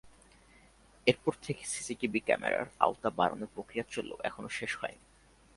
এরপর থেকে সিসিটিভি ক্যামেরার আওতা বাড়ানোর প্রক্রিয়া চললেও এখনো শেষ হয়নি।